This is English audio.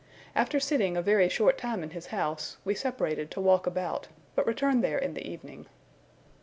After sitting a very short time in his house, we separated to walk about, but returned there in the evening.